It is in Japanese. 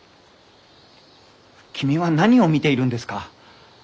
君は何を見ているんですか？